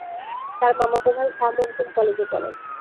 তার মামাতো ভাই শাহ মখদুম কলেজে পড়ে।